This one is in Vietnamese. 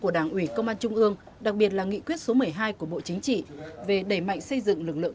của đảng ủy công an trung ương đặc biệt là nghị quyết số một mươi hai của bộ chính trị về đẩy mạnh xây dựng lực lượng